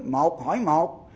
một khỏi một